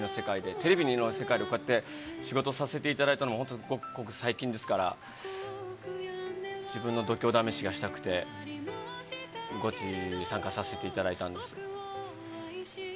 テレビの世界でこうやって仕事させていただいたの、本当、ごく最近ですから、自分の度胸試しがしたくて、ゴチに参加させていただいたんですよ。